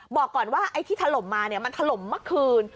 บอกก่อนว่าไอ้ที่ถล่มมามันถล่มเมื่อคืน